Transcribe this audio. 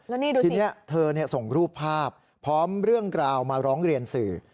แล้วนี่ดูทีนี้เธอส่งรูปภาพพร้อมเรื่องกล่าวมาร้องเรียนสื่อ